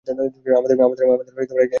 আমাদের একজন ডাক্তারের দরকার।